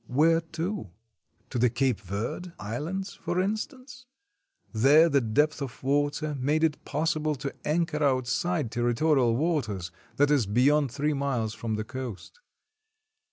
Where to? To the Cape Verde Islands, for instance? There the depth of water made it possible to anchor out side territorial waters, that is, beyond three miles from the coast.